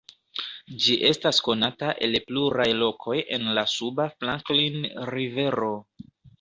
Ĝi estas konata el pluraj lokoj en la suba Franklin Rivero.